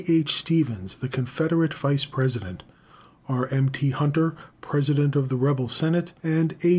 H. Stephens, the Confederate Vice President, R. M. T. Hunter, President of the rebel Senate, and A.